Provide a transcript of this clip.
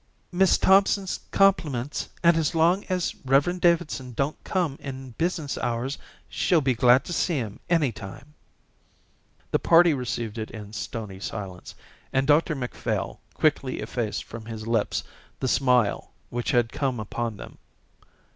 "Miss Thompson's compliments and as long as Rev. Davidson don't come in business hours she'll be glad to see him any time." The party received it in stony silence, and Dr Macphail quickly effaced from his lips the smile which had come upon them.